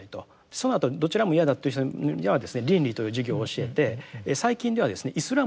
そのあとどちらも嫌だという人にはですね倫理という授業を教えて最近ではイスラムの授業もあります。